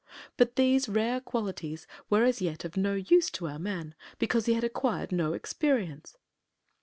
But these rare qualities were as yet of no use to our man because he had acquired no experience.